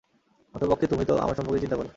অন্ততপক্ষে তুমি তো, আমার সম্পর্কে চিন্তা করো।